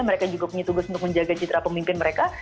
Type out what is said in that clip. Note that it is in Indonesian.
mereka juga punya tugas untuk menjaga citra pemimpin mereka